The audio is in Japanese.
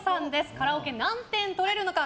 カラオケ何点とれるのか。